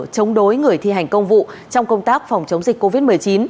chống đối người thi hành công vụ trong công tác phòng chống dịch covid một mươi chín